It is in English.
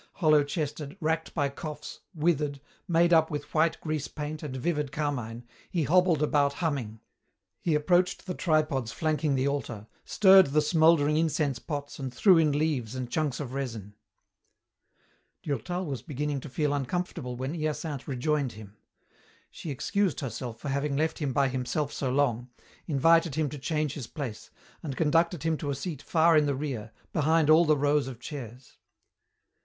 Hollow chested, racked by coughs, withered, made up with white grease paint and vivid carmine, he hobbled about humming. He approached the tripods flanking the altar, stirred the smouldering incense pots and threw in leaves and chunks of resin. Durtal was beginning to feel uncomfortable when Hyacinthe rejoined him. She excused herself for having left him by himself so long, invited him to change his place, and conducted him to a seat far in the rear, behind all the rows of chairs.